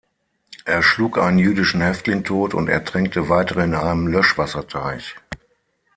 Er schlug einen jüdischen Häftling tot und ertränkte weitere in einem Löschwasserteich.